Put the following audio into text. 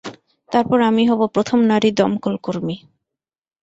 তারপর আমি হব প্রথম নারী দমকল কর্মী।